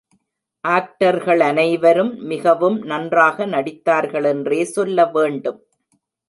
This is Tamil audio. ஆக்டர்களனைவரும் மிகவும் நன்றாக நடித்தார்களென்றே சொல்ல வேண்டும்.